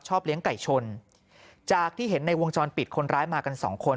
เลี้ยงไก่ชนจากที่เห็นในวงจรปิดคนร้ายมากันสองคน